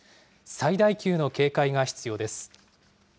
最大級の警戒が必要です。